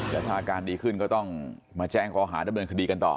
แล้วถ้าอาการดีขึ้นก็ต้องมาแจ้งข้อหาดำเนินคดีกันต่อ